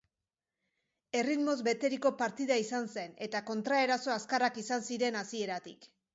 Erritmoz beteriko partida izan zen, eta kontraeraso azkarrak izan ziren hasieratik.